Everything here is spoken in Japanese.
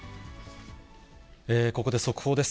ここで速報です。